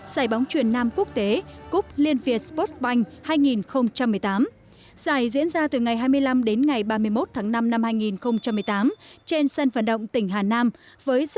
giải bóng truyền nam quốc tế cúp liên việt sport bank hai nghìn một mươi tám